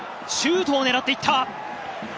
シュートを狙っていった！